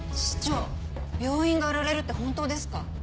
師長病院が売られるって本当ですか？